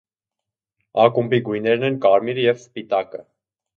Ակումբի գույներն են կարմիրը և սպիտակը։